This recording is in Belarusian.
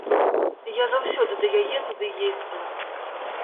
Я заўсёды да яе туды ездзіла.